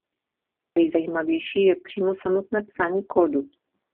Nejzajímavější je přímo samotné psaní kódu.